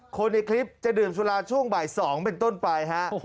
คนในคลิปจะดื่มสุราช่วงบ่าย๒เป็นต้นไปฮะ